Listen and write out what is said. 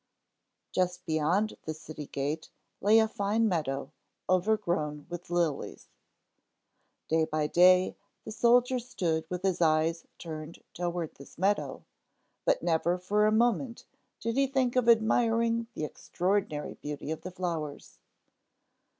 Just beyond the city gate lay a fine meadow, overgrown with lilies. Day by day the soldier stood with his eyes turned toward this meadow, but never for a moment did he think of admiring the extraordinary beauty of the flowers.